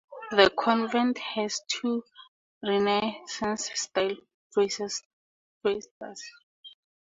The convent has two Renaissance style cloisters.